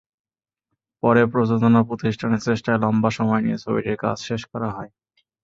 পরে প্রযোজনা প্রতিষ্ঠানের চেষ্টায় লম্বা সময় নিয়ে ছবিটির কাজ শেষ করা হয়।